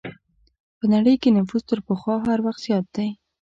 په نړۍ کې نفوس تر پخوا هر وخت زیات دی.